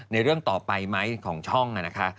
ในเรื่องต่อไปไหมของช่อง